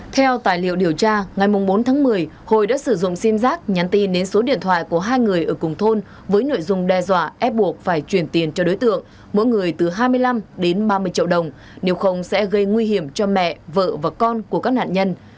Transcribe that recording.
theo tài liệu điều tra ngày bốn tháng một mươi hồi đã sử dụng sim giác nhắn tin đến số điện thoại của hai người ở cùng thôn với nội dung đe dọa ép buộc phải chuyển tiền cho đối tượng mỗi người từ hai mươi năm đến ba mươi triệu đồng nếu không sẽ gây nguy hiểm cho mẹ vợ và con của các nạn nhân